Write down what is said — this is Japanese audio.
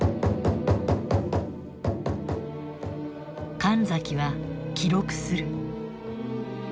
神崎は記録する。